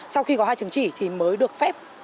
sau khi có hai chứng chỉ thì mới được phép